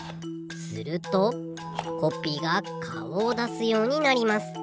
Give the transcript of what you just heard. するとコッピーがかおをだすようになります。